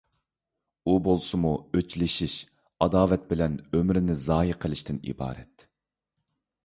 ئۇ بولسىمۇ ئۆچلىشىش، ئاداۋەت بىلەن ئۆمرىنى زايە قىلىشتىن ئىبارەت.